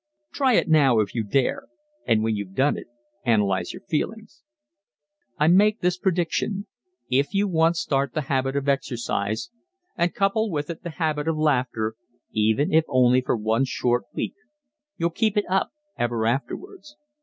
Try it now if you dare! And when you've done it, analyze your feelings. I make this prediction if you once start the habit of exercise, and couple with it the habit of laughter, even if only for one short week you'll keep it up ever afterwards.